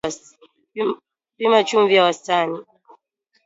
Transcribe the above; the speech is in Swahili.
Pima chumvi ya wastani